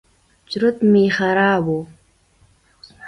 چورت مې خراب و.